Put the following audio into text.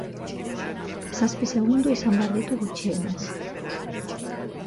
Zazpi segundu izan behar ditu, gutxienez.